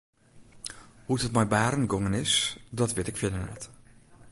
Hoe't it mei Barend gongen is dat wit ik fierder net.